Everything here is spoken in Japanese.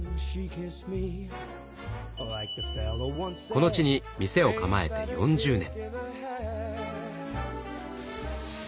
この地に店を構えて４０年。